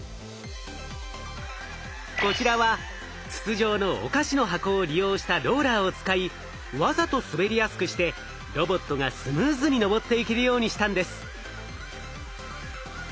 こちらは筒状のお菓子の箱を利用したローラーを使いわざと滑りやすくしてロボットがスムーズに上っていけるようにしたんです。